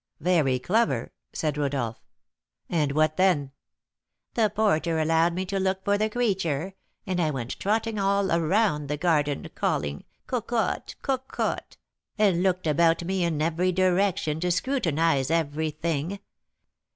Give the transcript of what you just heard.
"Very clever," said Rodolph. "And what then?" "The porter allowed me to look for the creature, and I went trotting all around the garden, calling 'Cocotte! Cocotte!' and looked about me in every direction to scrutinise every thing.